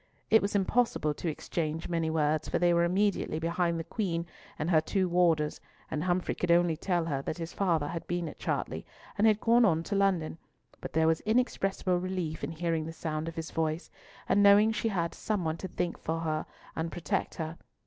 It was impossible to exchange many words, for they were immediately behind the Queen and her two warders, and Humfrey could only tell her that his father had been at Chartley, and had gone on to London; but there was inexpressible relief in hearing the sound of his voice, and knowing she had some one to think for her and protect her.